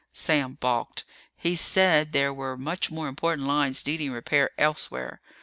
Sam balked. He said there were much more important lines needing repair elsewhere.